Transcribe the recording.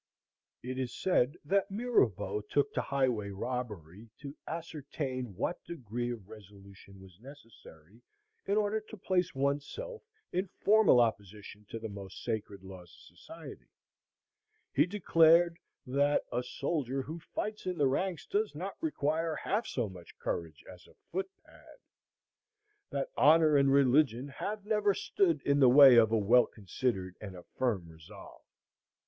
It is said that Mirabeau took to highway robbery "to ascertain what degree of resolution was necessary in order to place one's self in formal opposition to the most sacred laws of society." He declared that "a soldier who fights in the ranks does not require half so much courage as a foot pad,"—"that honor and religion have never stood in the way of a well considered and a firm resolve."